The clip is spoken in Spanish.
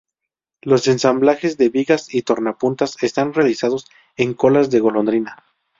Los ensamblajes de vigas y tornapuntas están realizados en colas de golondrina.